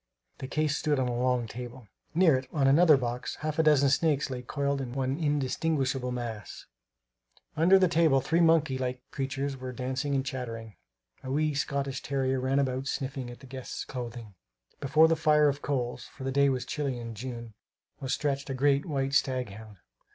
The case stood on a long table. Near it, on another box, half a dozen snakes lay coiled into one indistinguishable mass. Under the table three monkey like little creatures were dancing and chattering. A wee Scotch terrier ran about, sniffing at the guests' clothing. Before the fire of coals for the day was chilly for June was stretched a great white stag hound.